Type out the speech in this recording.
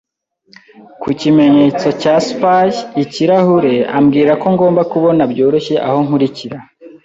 ku kimenyetso cya Spy-ikirahure, ambwira ko ngomba kubona byoroshye aho nkurikira